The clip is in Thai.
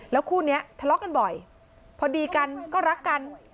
คู่นี้ทะเลาะกันบ่อยพอดีกันก็รักกัน